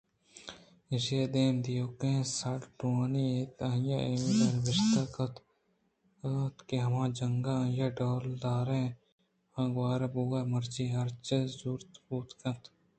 ایشی ءِ دیم دیوک سارٹونی اَت ءُآئیءَ ایمیلیاءَ نبشتہ کُتگ اَت کہ ہماجنک کہ آئی ءَ ڈولداریں ہارے گوٛرا بوتگ مروچی ہرچنت زوت بوت کنت